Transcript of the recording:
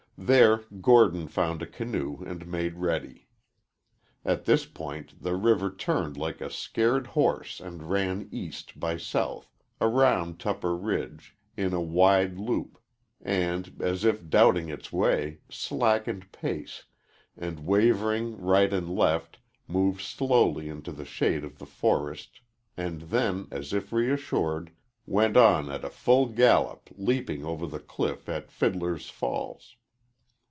There Gordon found a canoe and made ready. At this point the river turned like a scared horse and ran east by south, around Tup per Ridge, in a wide loop, and, as if doubting its way, slackened pace, and, wavering right and left, moved slowly into the shade of the forest, and then, as if reassured, went on at a full gallop, leaping over the cliff at Fiddler's Falls.